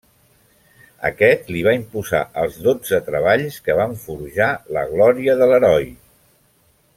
Aquest li va imposar els dotze treballs, que van forjar la glòria de l'heroi.